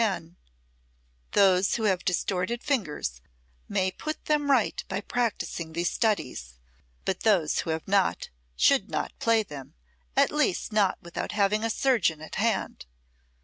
10: "Those who have distorted fingers may put them right by practising these studies; but those who have not, should not play them, at least not without having a surgeon at hand."